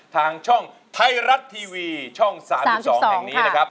ทางช่องไทยรัฐทีวีช่อง๓๒แห่งนี้นะครับ